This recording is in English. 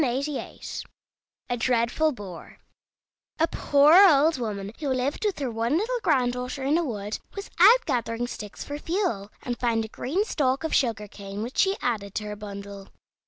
A DREADFUL BOAR A poor old woman who lived with her one little granddaughter in a wood was out gathering sticks for fuel, and found a green stalk of sugar cane, which she added to her bundle.